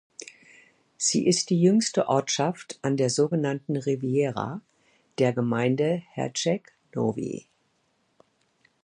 Sie ist die jüngste Ortschaft an der sogenannten Riviera der Gemeinde Herceg Novi.